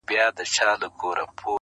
چا خندله چا به ټوکي جوړولې!